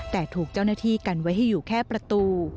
แต่ถูกเจ้าหน้าที่กันไว้ให้อยู่แค่ประตู